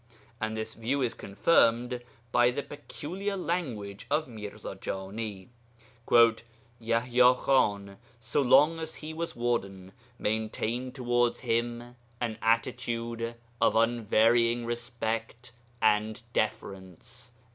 And this view is confirmed by the peculiar language of Mirza Jani, 'Yaḥya Khan, so long as he was warden, maintained towards him an attitude of unvarying respect and deference.'